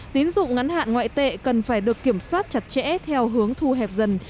tín dụng ngắn hạn ngoại tệ cần phải được kiểm soát chặt chẽ theo hướng thu hẹp dần